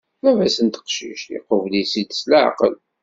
Baba-s n teqcict, iqubel-itt-id s leɛqel.